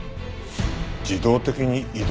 自動的に移動？